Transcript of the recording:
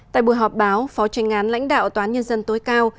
tại buổi họp báo phó tranh án lãnh đạo tòa án nhân dân tối cao